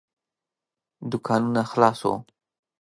دوکانونه خلاص وو.